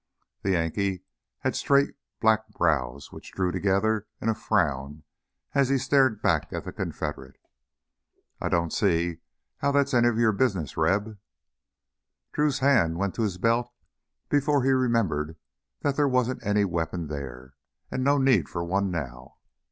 The Yankee had straight black brows which drew together in a frown as he stared back at the Confederate. "I don't see how that's any business of yours, Reb!" Drew's hand went to his belt before he remembered that there wasn't any weapon there, and no need for one now.